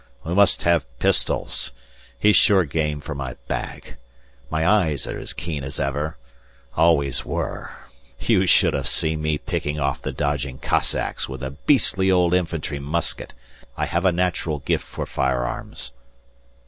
We must have pistols. He's sure game for my bag. My eyes are as keen as ever. Always were. You should have seen me picking off the dodging Cossacks with a beastly old infantry musket. I have a natural gift for firearms."